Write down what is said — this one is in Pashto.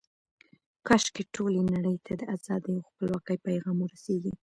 کاشکې ټولې نړۍ ته د ازادۍ او خپلواکۍ پیغام ورسیږي.